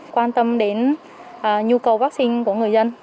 quan tâm đến nhu cầu vaccine của người dân